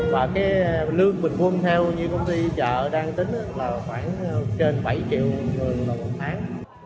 và cái lương bình quân theo như công ty chợ đang tính là khoảng trên bảy triệu người một tháng